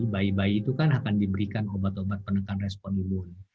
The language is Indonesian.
bayi bayi itu kan akan diberikan obat obat penekan respon imun